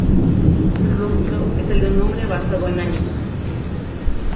El rostro es el de un hombre avanzado en años.